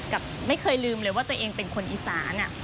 ไม่เคยลืมเลยว่าตัวเองเป็นคนอีสาน